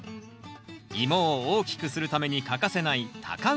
イモを大きくするために欠かせない高畝。